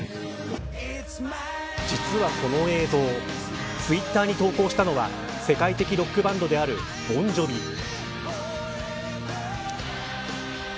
実はこの映像ツイッターに投稿したのは世界的ロックバンドであるボン・ジョヴィ。